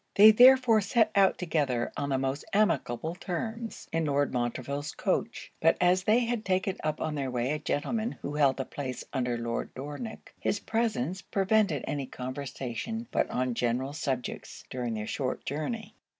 They therefore set out together, on the most amicable terms, in Lord Montreville's coach. But as they had taken up on their way a gentleman who held a place under Lord Dornock, his presence prevented any conversation but on general subjects, during their short journey.